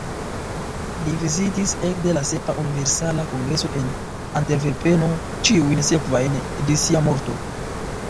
Li vizitis ekde la sepa Universala Kongreso en Antverpeno ĉiujn sekvajn, ĝis sia morto.